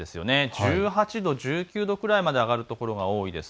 １８度、１９度くらいまで上がる所が多いです。